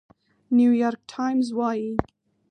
نيويارک ټايمز وايي،